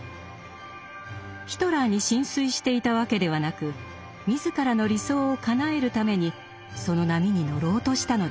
ヒトラーに心酔していたわけではなく自らの理想をかなえるためにその波に乗ろうとしたのです。